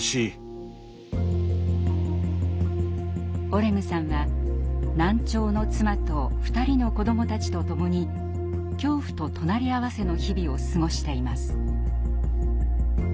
オレグさんは難聴の妻と２人の子どもたちとともに恐怖と隣り合わせの日々を過ごしています。